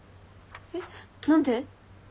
えっ何で？